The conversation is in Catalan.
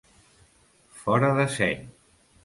Fora de seny.